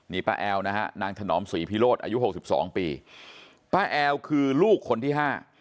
นี่ป้าแอวนะฮะนางถนอมสุรีพิโรธอายุ๖๒ปีป้าแอวคือลูกคนที่๕